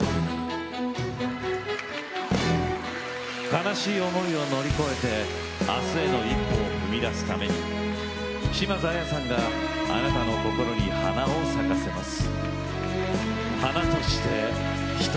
悲しい思いを乗り越えてあすへの１歩を踏み出すために島津亜矢さんがあなたの心に花を咲かせます。